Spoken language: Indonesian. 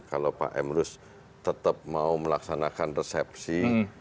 kalau pak emrus tetap mau melaksanakan resepsi